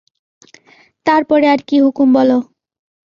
তার পরে আর কী হুকুম বলো।